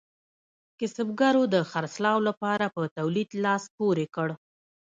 کسبګرو د خرڅلاو لپاره په تولید لاس پورې کړ.